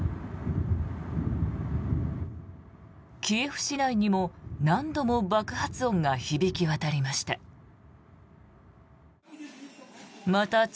キエフ市内にも何度も爆発音が響き渡りました。